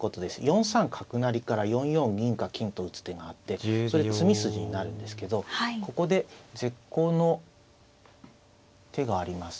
４三角成から４四銀か金と打つ手があってそれ詰み筋になるんですけどここで絶好の手があります。